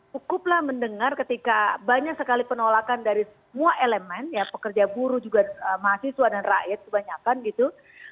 cukuplah mendengar ketika banyak sekali penolakan dari semua elemen ya pekerja buruh juga mahasiswa dan rakyat kebanyakan gitu